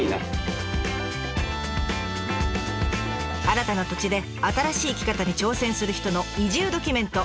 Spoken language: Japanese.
新たな土地で新しい生き方に挑戦する人の移住ドキュメント。